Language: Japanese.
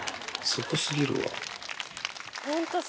すごすぎるわ。